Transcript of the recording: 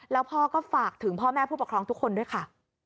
แล้วพ่อก็ฝากถึงพ่อแม่ผู้ปกครองทุกคนด้วยค่ะ